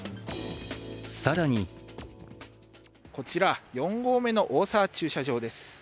更にこちら、４合目の大沢駐車場です。